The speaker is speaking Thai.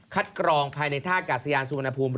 คัดกรองภายในท่ากับสยานสุมนภูมิ